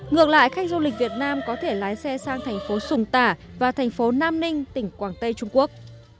ngược lại khách du lịch việt nam có thể lái xe sang thành phố sùng tả và thành phố nam ninh tỉnh quảng tây trung quốc